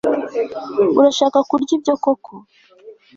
urashaka kurya ibyo koko